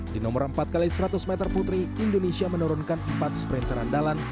di nomor empat x seratus meter putri indonesia menurunkan empat sprinter andalan